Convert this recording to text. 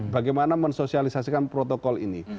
bagaimana mensosialisasikan protokol ini